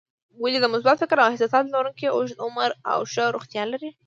ولې د مثبت فکر او احساساتو لرونکي اوږد عمر او ښه روغتیا لري؟